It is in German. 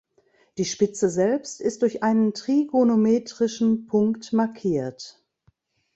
Die Spitze selbst ist durch einen trigonometrischen Punkt markiert.